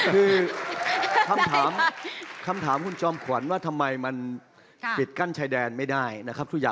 คือคำถามคุณชอมขวัญว่าทำไมมันปิดกั้นชายแดนไม่ได้นะครับ